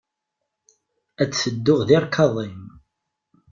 Ad tedduɣ di ṛkaḍ-im.